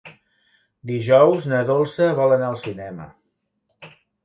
Dijous na Dolça vol anar al cinema.